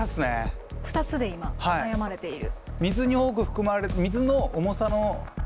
２つで今悩まれている？